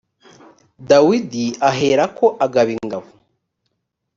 dawidi aherako agaba ingabo .